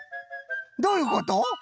どういうこと？